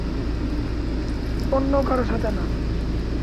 অন্য কারো সাথে না।